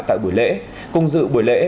tại buổi lễ cùng dự buổi lễ